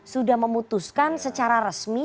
sudah memutuskan secara resmi